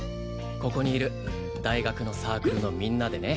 ここにいる大学のサークルのみんなでね。